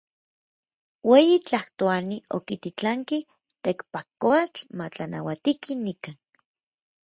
Ueyi Tlajtoani okititlanki Tekpatkoatl matlanauatiki nikan.